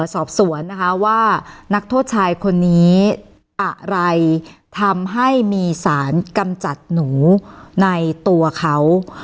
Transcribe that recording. สอบสวนนะคะว่านักโทษชายคนนี้อะไรทำให้มีสารกำจัดหนูในตัวเขา